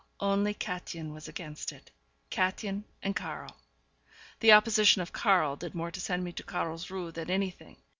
Only Kätchen was against it Kätchen and Karl. The opposition of Karl did more to send me to Carlsruhe than anything.